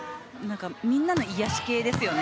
みんなの癒やし系ですよね。